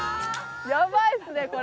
やばいですねこれ。